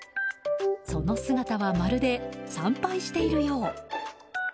その姿はまるで参拝しているよう。